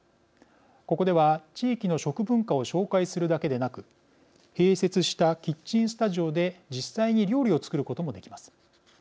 ここでは、地域の食文化を紹介するだけでなく併設したキッチンスタジオで実際に料理を作ることもできます。